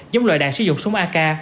giống loại đạn sử dụng súng ak